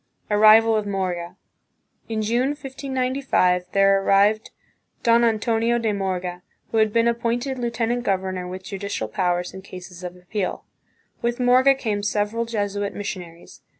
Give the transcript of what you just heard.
Arrival of Morga. In June, 1595, there arrived Don Antonio de Morga, who had been appointed lieutenant governor with judicial powers in cases of appeal. With Morga came several Jesuit missionaries.